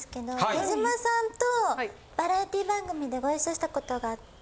手島さんとバラエティー番組でご一緒したことがあって。